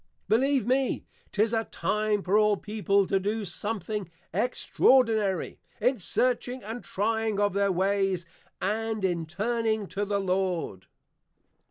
Believe me, 'tis a time for all people to do something extraordinary, in searching and trying of their ways, and in turning to the Lord.